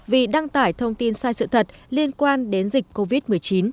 vì đăng tải thông tin sai sự thật liên quan đến dịch covid một mươi chín